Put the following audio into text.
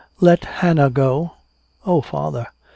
"Let Hannah go? Oh, father!"